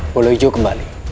bulu hijau kembali